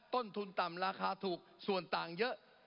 ต้นทุนต่ำราคาถูกส่วนต่างเยอะ